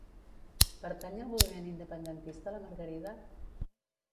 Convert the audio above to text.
Pertany al moviment independentista la Margarida?